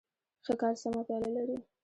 ښه کار سمه پایله لري.